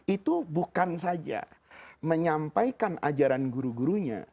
itu bukan saja menyampaikan ajaran guru gurunya